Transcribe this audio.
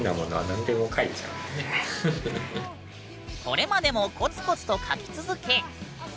これまでもコツコツと描き続け。